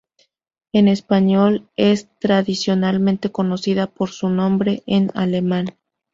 En español es tradicionalmente conocida por su nombre en alemán.